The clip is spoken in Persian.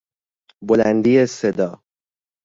بلندی صدا